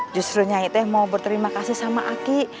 justru aku ingin berterima kasih dengan aku